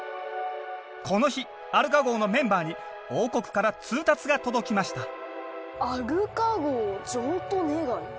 この日アルカ号のメンバーに王国から通達が届きました「アルカ号譲渡願い」。